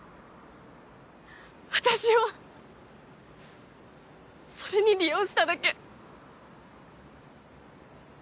私をそれに利用しただけ。